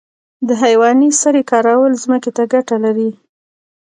د حیواني سرې کارول ځمکې ته ګټه لري